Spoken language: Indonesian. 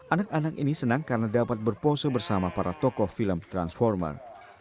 anak anak ini senang karena dapat berpose bersama para tokoh film transformer